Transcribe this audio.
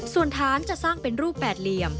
ส่วนฐานจะสร้างเป็นรูปแปดเหลี่ยม